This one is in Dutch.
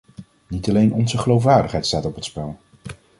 Niet alleen onze geloofwaardigheid staat op het spel.